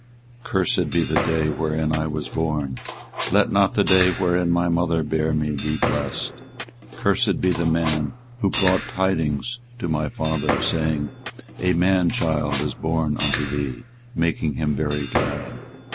24:020:014 Cursed be the day wherein I was born: let not the day wherein my mother bare me be blessed. 24:020:015 Cursed be the man who brought tidings to my father, saying, A man child is born unto thee; making him very glad.